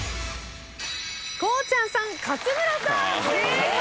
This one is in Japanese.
こうちゃんさん勝村さん正解。